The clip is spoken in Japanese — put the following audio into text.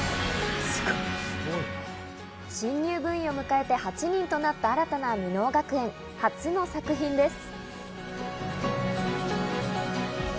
新入部員を迎えて８人となった新たな箕面学園、初の作品です。